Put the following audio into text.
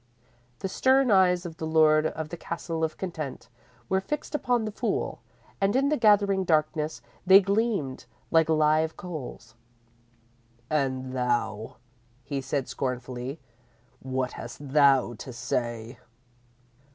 "_ _The stern eyes of the Lord of the Castle of Content were fixed upon the fool, and in the gathering darkness they gleamed like live coals. "And thou," he said, scornfully; "what hast thou to say?"